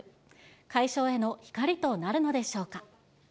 解消への光となるのでしょうか。